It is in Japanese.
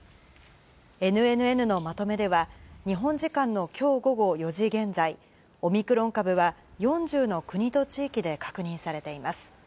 ＮＮＮのまとめでは、日本時間のきょう午後４時現在、オミクロン株は４０の国と地域で確認されています。